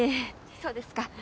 そうですか。